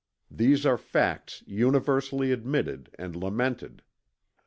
These are facts universally admitted and lamented."